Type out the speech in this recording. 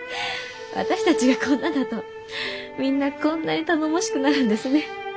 私たちがこんなだとみんなこんなに頼もしくなるんですね。